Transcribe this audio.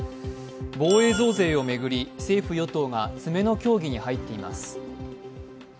防衛増税を巡り政府・与党が詰めの協議に入っています。